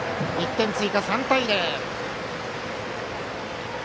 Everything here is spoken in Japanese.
１点追加、３対０。